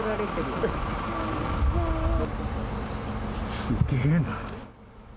すげえな。